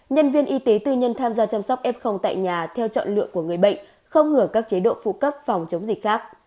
nhân viên y tế tư nhân tham gia chăm sóc f tại nhà theo chọn lựa của người bệnh không hưởng các chế độ phụ cấp phòng chống dịch khác